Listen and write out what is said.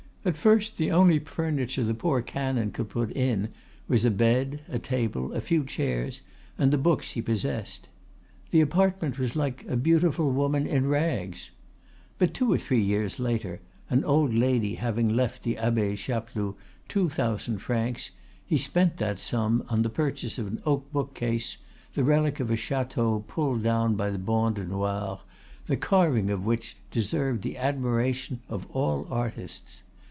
At first, the only furniture the poor canon could put in was a bed, a table, a few chairs, and the books he possessed. The apartment was like a beautiful woman in rags. But two or three years later, an old lady having left the Abbe Chapeloud two thousand francs, he spent that sum on the purchase of an oak bookcase, the relic of a chateau pulled down by the Bande Noire, the carving of which deserved the admiration of all artists.